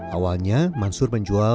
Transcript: awalnya mansur menjual